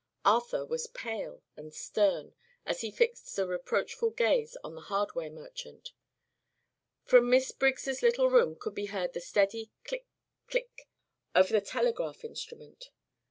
Arthur was pale and stern as he fixed a reproachful gaze on the hardware merchant. From Miss Briggs' little room could be heard the steady click click of the telegraph instrument.